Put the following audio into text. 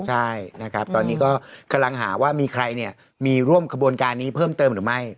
ใช่นะครับตอนนี้ก็กำลังหาว่ามีใครเนี่ยมีร่วมขบวนการนี้เพิ่มเติมหรือไม่